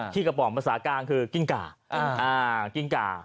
คิกะป่อมภาษากลางคือกิ้งกะ